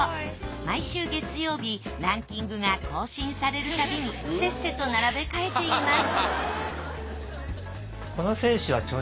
毎週月曜日ランキングが更新されるたびにせっせと並べ替えています